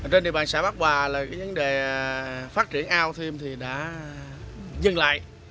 trên địa bàn xã bắc hòa là cái vấn đề phát triển ao thêm thì đã dừng lại